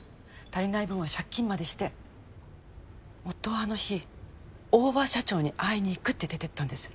足りない分を借金までして夫はあの日大庭社長に会いに行くって出てったんです